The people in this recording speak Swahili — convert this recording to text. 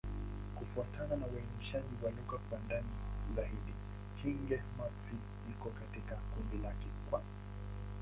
Kufuatana na uainishaji wa lugha kwa ndani zaidi, Kigbe-Maxi iko katika kundi la Kikwa.